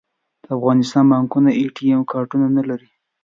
د افغانستان بانکونه اې ټي ایم کارډونه لري